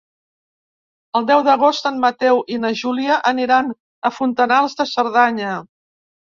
El deu d'agost en Mateu i na Júlia aniran a Fontanals de Cerdanya.